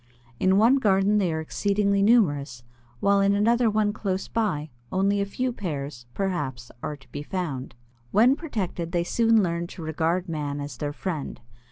In one garden they are exceedingly numerous, while in another one close by, only a few pairs, perhaps, are to be found. When protected, they soon learn to regard man as their friend.